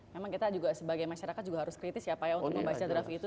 memang kita juga sebagai masyarakat juga harus kritis ya pak ya untuk membaca draft itu